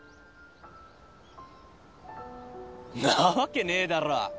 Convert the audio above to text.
んなわけねえだろ！